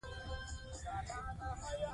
زه پوهېږم چې څپې څه ته وايي.